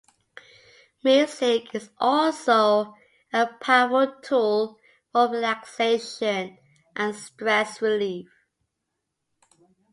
Music is also a powerful tool for relaxation and stress relief.